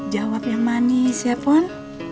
jawab yang manis ya pon